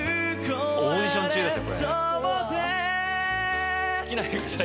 オーディション中ですよ。